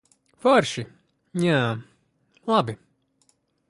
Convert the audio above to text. Forši. Jā, labi.